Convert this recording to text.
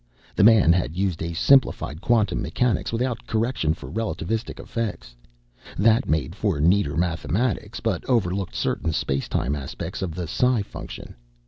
The man had used a simplified quantum mechanics without correction for relativistic effects. That made for neater mathematics but overlooked certain space time aspects of the psi function.